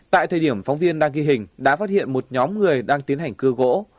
tại thời điểm phóng viên đang ghi hình đã phát hiện một nhóm người đang tiến hành cưa gỗ